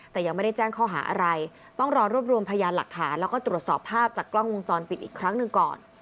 แต่ยังไม่ได้แจ้งข้อหาอะไรต้องรอรวบรวมพยานหลักฐานแล้วก็ตรวจสอบภาพจากกล้องวงจรปิดอีกครั้งหนึ่งก่อน